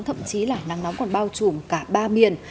thậm chí là nắng nóng còn bao trùm cả ba miền